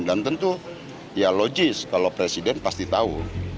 dan tentu ya logis kalau presiden pasti tahu